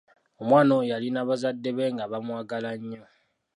Omwana oyo yalina bazadde be nga bamwagala nnyo.